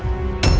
nggak jadi masalah